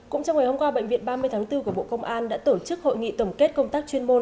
cũng trong ngày hôm qua bệnh viện ba mươi tháng bốn của bộ công an đã tổ chức hội nghị tổng kết công tác chuyên môn